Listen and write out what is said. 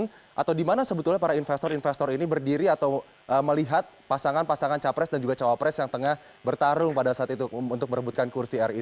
atau dimana sebetulnya para investor investor ini berdiri atau melihat pasangan pasangan capres dan juga cawapres yang tengah bertarung pada saat itu untuk merebutkan kursi ri